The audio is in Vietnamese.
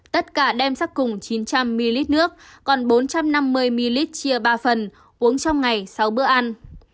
tất cả đem sắc cùng chín trăm linh ml nước còn bốn trăm năm mươi ml chia ba phần uống trong ngày sáu bữa ăn